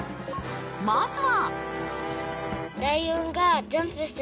まずは。